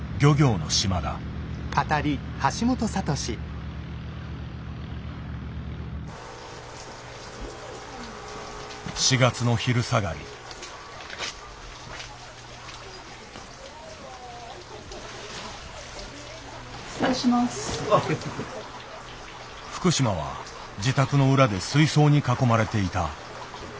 福島は自宅の裏で水槽に囲まれていた。